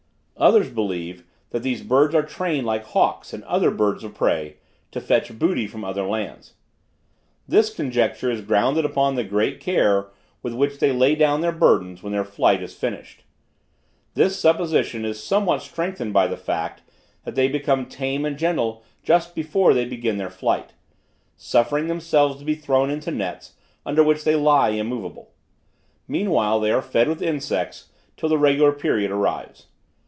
Others believe, that these birds are trained like hawks and other birds of prey, to fetch booty from other lands. This conjecture is grounded upon the great care with which they lay down their burdens, when their flight is finished. This supposition is somewhat strengthened by the fact, that they become tame and gentle just before they begin their flight, suffering themselves to be thrown into nets, under which they lie immovable. Meanwhile they are fed with insects till the regular period arrives.